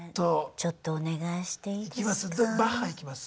ちょっとお願いしていいですか？